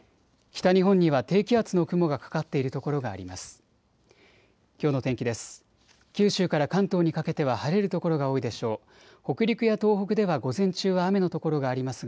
北日本には低気圧の雲がかかっている所があります。